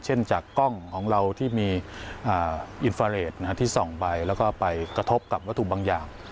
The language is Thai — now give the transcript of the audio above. จากกล้องของเราที่มีอินฟาเรทที่ส่องไปแล้วก็ไปกระทบกับวัตถุบางอย่าง